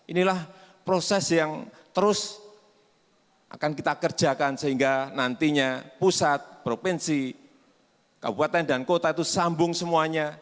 inilah proses yang terus akan kita kerjakan sehingga nantinya pusat provinsi kabupaten dan kota itu sambung semuanya